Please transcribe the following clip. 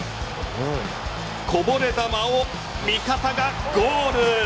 こぼれ球を味方がゴール。